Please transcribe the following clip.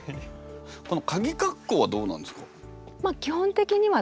このかぎ括弧はどうなんですか？